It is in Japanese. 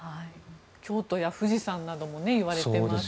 京都や富士山などもいわれていますね。